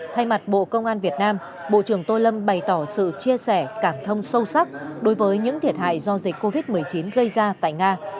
thay mặt bộ công an việt nam bộ trưởng tô lâm bày tỏ sự chia sẻ cảm thông sâu sắc đối với những thiệt hại do dịch covid một mươi chín gây ra tại nga